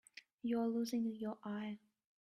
You're losing your eye.